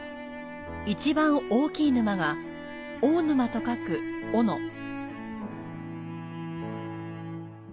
一番大きい沼が、大沼と書く「おの」。